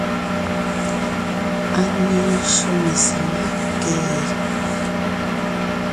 A ne ńjÿô mesàŋá kee?